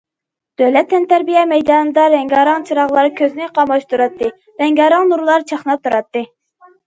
دۆلەت تەنتەربىيە مەيدانىدا رەڭگارەڭ چىراغلار كۆزنى قاماشتۇراتتى، رەڭگارەڭ نۇرلار چاقناپ تۇراتتى.